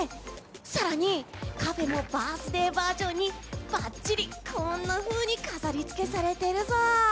更に、カフェもバースデーバージョンにばっちりこんなふうに飾りつけされてるブイ！